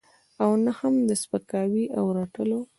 او نه هم د سپکاوي او رټلو.